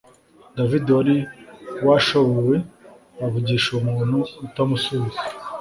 david wari washobewe, avugisha umuntu utamusubiza